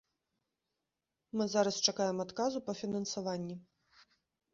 Мы зараз чакаем адказу па фінансаванні.